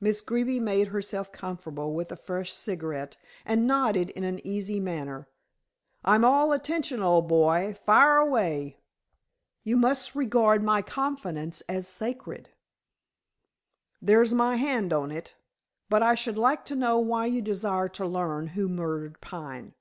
Miss Greeby made herself comfortable with a fresh cigarette, and nodded in an easy manner, "I'm all attention, old boy. Fire away!" "You must regard my confidence as sacred." "There's my hand on it. But I should like to know why you desire to learn who murdered Pine."